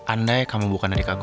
andai kamu bukan adik aku